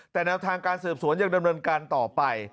แต่แนวทางการสืบสวนยังดำเนินการต่อไป